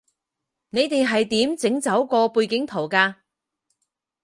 你哋係點整走個背景圖㗎